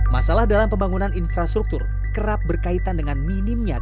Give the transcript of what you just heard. masalah dalam pembangunan infrastruktur kerap berkaitan dengan minimnya